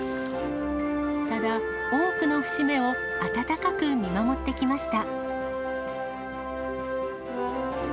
ただ、多くの節目を温かく見守ってきました。